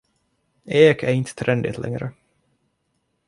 Ek är inte trendigt längre.